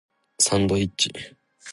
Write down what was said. サンドイッチ